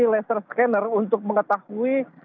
laser scanner untuk mengetahui